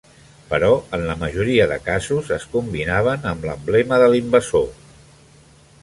Però en la majoria de casos, es combinaven amb l'emblema de l'invasor.